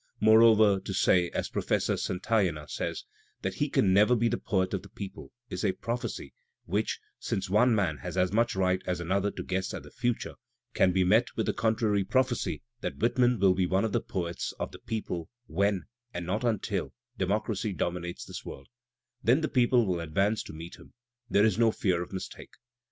More over, to say, as Professor Santayana says, that "he can never be the poet of the people" is a prophecy, which, since one man has as much right as another to guess at the future, can be met with the contrary prophecy that Whitman will be Digitized by Google WHITMAN 213 one of the poets of the people when, and not until, democracy dominates this world; then the people will "advance to meet him; there is no fear of mistake."